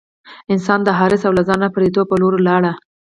انسان د حرص او له ځانه پردیتوب په لور لاړ.